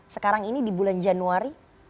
sekarang ini di bulan januari